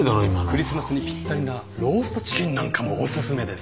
クリスマスにぴったりなローストチキンなんかもお薦めです。